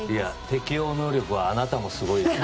適応能力はあなたもすごいですよ。